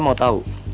saya mau tau